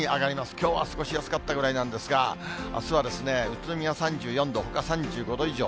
きょうは過ごしやすかったぐらいなんですが、あすは宇都宮３４度、ほか３５度以上。